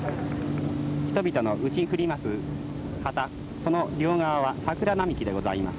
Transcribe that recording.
「人々の打ち振ります旗その両側は桜並木でございます。